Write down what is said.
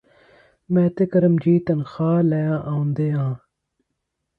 ਮੈਂ ਤੇ ਕਰਮਜੀਤ ਤਨਖ਼ਾਹ ਲੈ ਆਉਂਦੇ ਹਾਂ